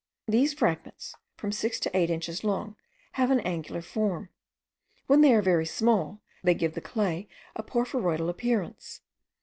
These fragments, from six to eight inches long, have an angular form. When they are very small, they give the clay a porphyroidal appearance.